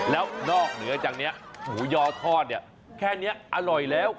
แล้วนอกเหนือจากนี้หมูยอทอดเนี่ยแค่นี้อร่อยแล้ว